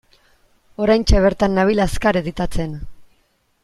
Oraintxe bertan nabil azkar editatzen.